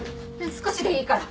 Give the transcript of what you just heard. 少しでいいから。